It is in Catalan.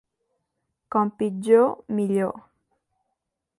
Com pitjor, millor.